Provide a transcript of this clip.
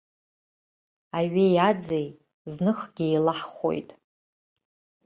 Аҩеи аӡеи зныхгьы еилаҳхәоит.